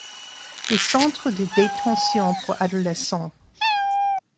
Les centres de détention pour adolescents.